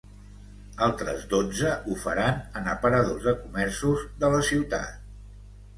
Altres dotze ho faran en aparadors de comerços de la ciutat.